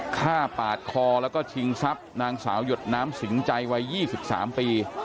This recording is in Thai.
ฆ่าปาดคอแล้วก็ชิงทรัพย์นางสาวหยดน้ำสิงใจวัย๒๓ปี